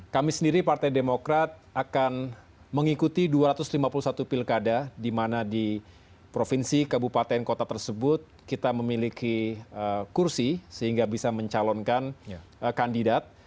kami sendiri partai demokrat akan mengikuti dua ratus lima puluh satu pilkada di mana di provinsi kabupaten kota tersebut kita memiliki kursi sehingga bisa mencalonkan kandidat